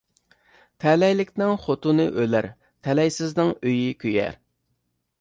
تەلەيلىكنىڭ خوتۇنى ئۆلەر، تەلەيسىزنىڭ ئۆيى كۆيەر.